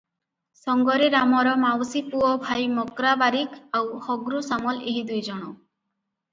ସଙ୍ଗରେ ରାମର ମାଉସୀପୁଅ ଭାଇ ମକ୍ରା ବାରିକ ଆଉ ହଗ୍ରୁ ସାମଲ ଏହି ଦୁଇଜଣ ।